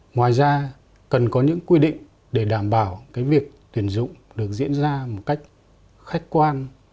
ngoài ra cần có những quy định để đảm bảo việc tuyển dụng được diễn ra một cách khách quan